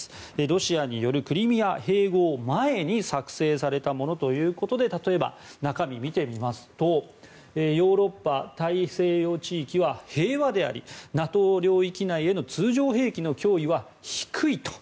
ロシアによるクリミア併合前に作成されたものということで例えば、中身を見てみますとヨーロッパ大西洋地域は平和でありＮＡＴＯ領域内への通常兵器の脅威は低いと。